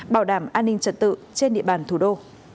bảo đảm an ninh trật tự trên địa bàn thủ đô